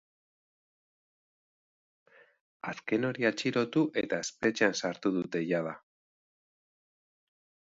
Azken hori atxilotu eta espetxean sartu dute jada.